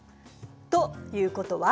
ということは？